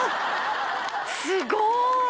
すごい！